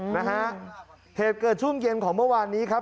นะฮะเหตุเกิดช่วงเย็นของเมื่อวานนี้ครับ